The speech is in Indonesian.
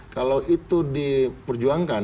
kalau itu diperjuangkan